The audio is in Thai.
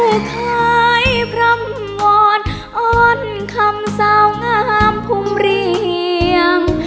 ผู้คายพรำวรอ้อนคำสาวงามภูมิเรียง